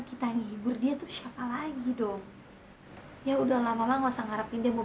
kita nghibur dia tuh siapa lagi dong ya udahlah mama nggak usah ngarepin dia mau